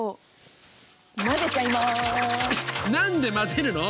何で混ぜるの？